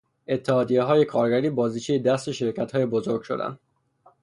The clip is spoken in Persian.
اتحادیههای کارگری بازیچهی دست شرکتهای بزرگ شدند.